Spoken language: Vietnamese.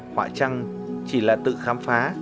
họa trăng chỉ là tự khám phá